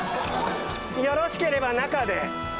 よろしければ中で。